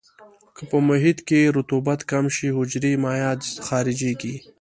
که په محیط کې رطوبت کم شي حجرې مایعات خارجيږي.